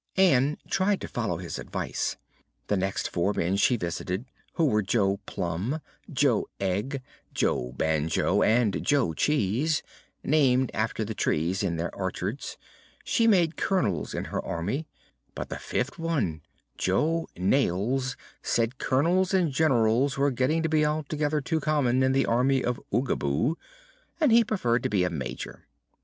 Ann tried to follow his advice. The next four men she visited who were Jo Plum, Jo Egg, Jo Banjo and Jo Cheese, named after the trees in their orchards she made Colonels of her Army; but the fifth one, Jo Nails, said Colonels and Generals were getting to be altogether too common in the Army of Oogaboo and he preferred to be a Major.